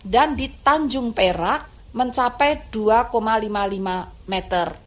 dan di tanjung perak mencapai dua lima puluh lima meter